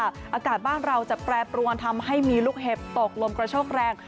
อากาศบ้านเราจะแปรปรวนทำให้มีลูกเห็บตกลมกระโชกแรง